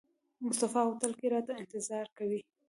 مصطفی هوټل کې راته انتظار کوي.